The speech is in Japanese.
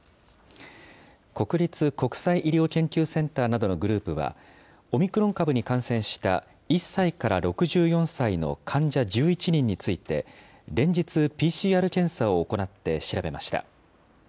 国立国際医療研究センターなどのグループは、オミクロン株に感染した１歳から６４歳の患者１１人について連日、ＰＣＲ検査を行って調べました。